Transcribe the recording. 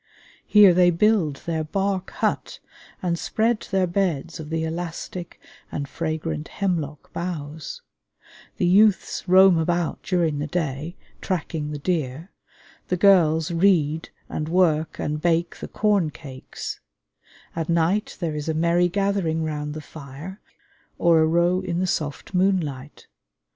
Here they build their bark hut, and spread their beds of the elastic and fragrant hemlock boughs; the youths roam about during the day, tracking the deer, the girls read and work and bake the corn cakes; at night there is a merry gathering round the fire, or a row in the soft moonlight.